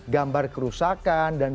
gambar kerusakan dan